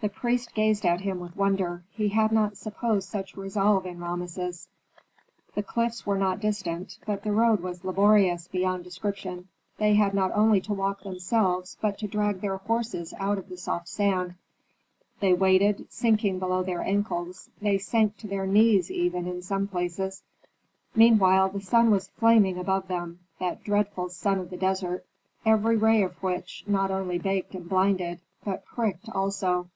The priest gazed at him with wonder; he had not supposed such resolve in Rameses. The cliffs were not distant, but the road was laborious beyond description. They had not only to walk themselves, but to drag their horses out of the soft sand. They waded, sinking below their ankles; they sank to their knees even in some places. Meanwhile the sun was flaming above them, that dreadful sun of the desert, every ray of which not only baked and blinded, but pricked also.